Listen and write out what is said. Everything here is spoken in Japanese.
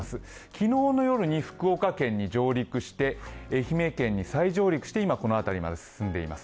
昨日の夜に福岡県に上陸して、愛媛県に再上陸してこの辺りに進んでいます。